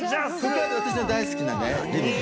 私の大好きなリビング。